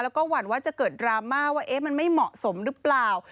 แล้วก็หวั่นว่าจะเกิดดราม่าว่ามันไม่เหมาะสมหรือเปล่า